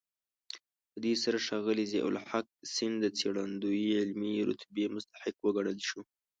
په دې سره ښاغلی ضياءالحق سیند د څېړندوی علمي رتبې مستحق وګڼل شو.